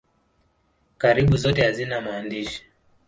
Karibu zote hazina maandishi.